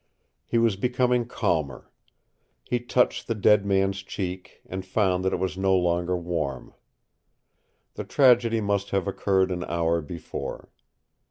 He was becoming calmer. He touched the dead man's cheek and found that it was no longer warm. The tragedy must have occurred an hour before.